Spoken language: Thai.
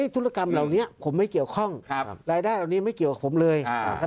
ธุรกรรมเหล่านี้ผมไม่เกี่ยวข้องรายได้เหล่านี้ไม่เกี่ยวกับผมเลย